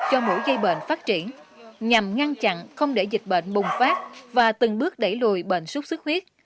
cho mỗi dây bệnh phát triển nhằm ngăn chặn không để dịch bệnh bùng phát và từng bước đẩy lùi bệnh xuất xuất huyết